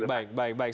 baik baik baik